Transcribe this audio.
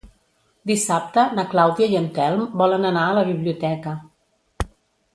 Dissabte na Clàudia i en Telm volen anar a la biblioteca.